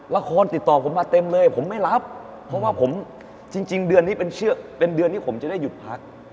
ละครติดต่อผมมาเต็มเลยผมไม่รับเพราะว่าผมจริงเดือนนี้เป็นเดือนที่ผมจะได้หยุดพัก